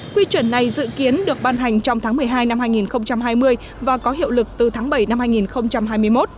quy chuẩn này dự kiến được ban hành trong tháng một mươi hai năm hai nghìn hai mươi và có hiệu lực từ tháng bảy năm hai nghìn hai mươi một